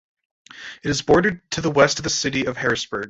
It is bordered to the west by the city of Harrisburg.